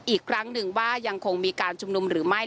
อีกครั้งหนึ่งว่ายังคงมีการชุมนุมหรือไม่